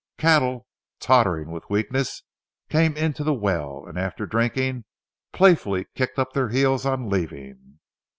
Cattle, tottering with weakness, came into the well, and after drinking, playfully kicked up their heels on leaving.